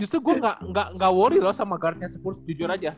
justru gue gak worry loh sama guardnya spurs jujur aja